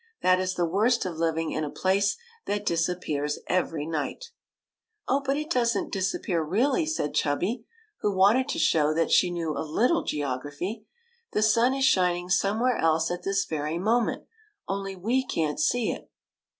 That is the worst of living in a place that dis appears every night." " Oh, but it does n't disappear really," said Chubby, who wanted to show that she knew a little geography ;" the sun is shining some where else at this very moment, only we can't see it.